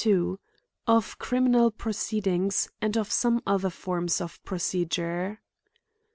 22$ CHAP. XXII, Of criminal proeeedingSy and of some other forms of procedure.